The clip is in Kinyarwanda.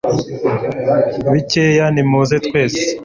bikeya; nimuze twese